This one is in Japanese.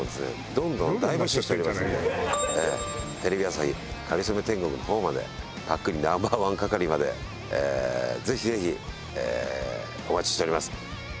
テレビ朝日『かりそめ天国』の方までぱっくりＮｏ．１係までぜひぜひお待ちしております。